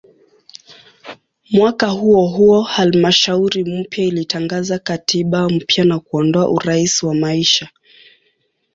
Mwaka huohuo halmashauri mpya ilitangaza katiba mpya na kuondoa "urais wa maisha".